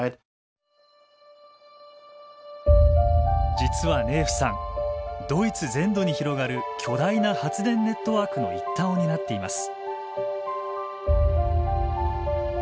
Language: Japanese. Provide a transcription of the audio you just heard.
実はネーフさんドイツ全土に広がる巨大な発電ネットワークの一端を担っています。